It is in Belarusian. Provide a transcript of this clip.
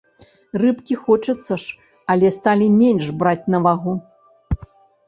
Рыбкі хочацца ж, але сталі менш браць на вагу.